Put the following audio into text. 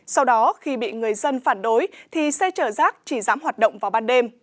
sau đó khi bị người dân phản đối thì xe chở rác chỉ dám hoạt động vào ban đêm